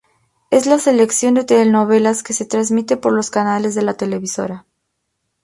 Es la sección de telenovelas que se transmiten por los canales de la televisora.